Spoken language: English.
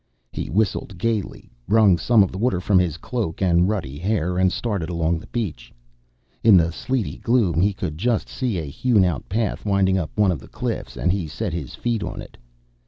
He whistled gaily, wrung some of the water from his cloak and ruddy hair, and started along the beach. In the sleety gloom, he could just see a hewn out path winding up one of the cliffs and he set his feet on it.